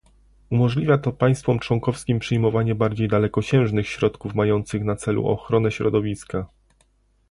Umożliwia to państwom członkowskim przyjmowanie bardziej dalekosiężnych środków mających na celu ochronę środowiska